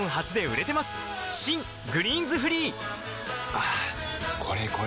はぁこれこれ！